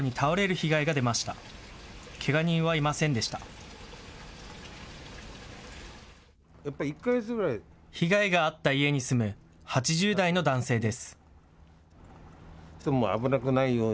被害があった家に住む８０代の男性です。